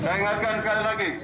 tengahkan sekali lagi